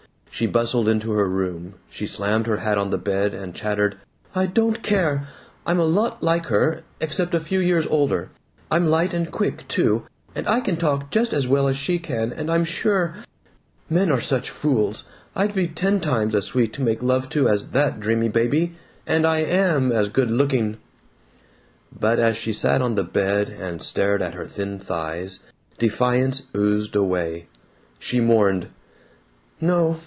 She bustled into her room, she slammed her hat on the bed, and chattered, "I don't CARE! I'm a lot like her except a few years older. I'm light and quick, too, and I can talk just as well as she can, and I'm sure Men are such fools. I'd be ten times as sweet to make love to as that dreamy baby. And I AM as good looking!" But as she sat on the bed and stared at her thin thighs, defiance oozed away. She mourned: "No.